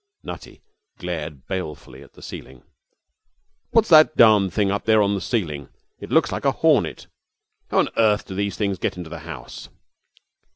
Nutty glared balefully at the ceiling. 'What's that darned thing up there on the ceiling? It looks like a hornet. How on earth do these things get into the house?'